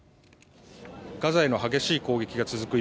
ガザへの激しい攻撃が続く